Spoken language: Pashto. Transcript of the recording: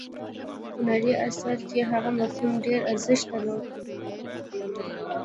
هنري اثر کې هغه مفهوم ډیر ارزښت درلود.